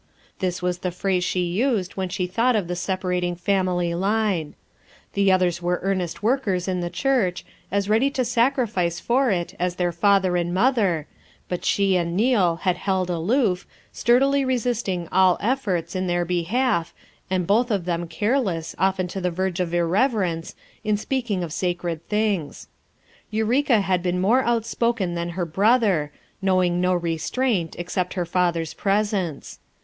This was the phrase she used when she thought of the separating family line. The others were earnest workers in the church, as ready to sacrifice for it as their father and mother, but she and Neal had held aloof, sturdily resisting all efforts in their be half, and both of them careless, often to the verge of irreverence, in speaking of sacred things. Eureka had been more outspoken than her brother, knowing no restraint except her father's presence.